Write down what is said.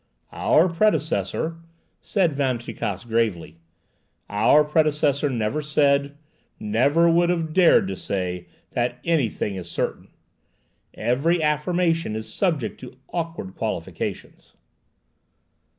"Our predecessor," said Van Tricasse gravely, "our predecessor never said, never would have dared to say, that anything is certain. Every affirmation is subject to awkward qualifications."